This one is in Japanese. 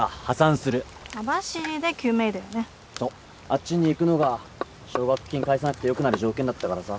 あっちに行くのが奨学金返さなくてよくなる条件だったからさ。